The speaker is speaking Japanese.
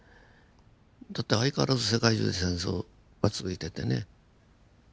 だって相変わらず世界中で戦争が続いててね。